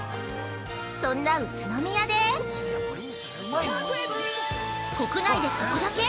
そんな宇都宮で国内でここだけ？